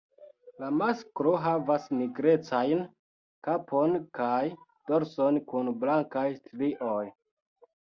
La masklo havas nigrecajn kapon kaj dorson kun blankaj strioj.